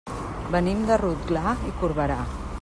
Venim de Rotglà i Corberà.